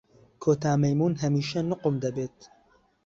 کۆتا مەیموون هەمیشە نوقم دەبێت.